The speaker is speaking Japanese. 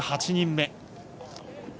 １８人目。